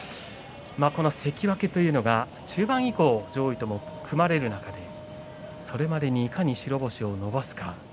関脇は中盤以降、上位と組まれる中でそれまでにいかに白星を伸ばすか。